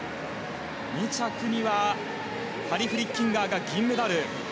２着にはハリ・フリッキンガーが銀メダル。